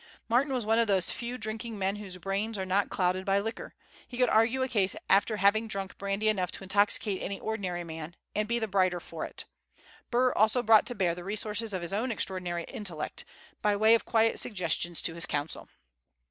Martin was one of those few drinking men whose brains are not clouded by liquor. He could argue a case after having drunk brandy enough to intoxicate any ordinary man, and be the brighter for it. Burr also brought to bear the resources of his own extraordinary intellect, by way of quiet suggestions to his counsel.